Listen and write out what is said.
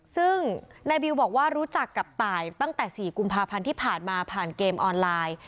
ซึ่งนายบิวบอกว่ารู้จักกับตายตั้งแต่๔กุมภาพันธ์ที่ผ่านมาผ่านเกมออนไลน์